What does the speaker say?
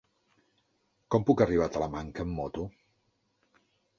Com puc arribar a Talamanca amb moto?